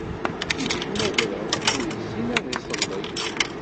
Ikcem agraw, ur issin ad iṣelli.